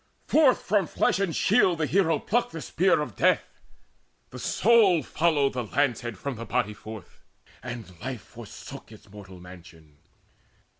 Forth from flesh and shield The hero plucked the spear of death: the soul Followed the lance head from the body forth, And life forsook its mortal mansion.